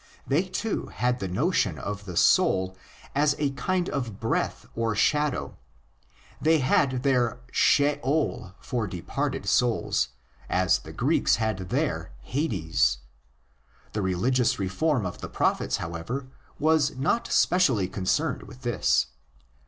They, too, had the notion of the soul as a kind of breath or shadow. They had their '' Sheol" for departed souls, as the Greeks had their '' Hades.'' The religious reform of the prophets, however, was not specially concerned with this.